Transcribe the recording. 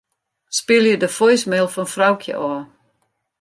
Spylje de voicemail fan Froukje ôf.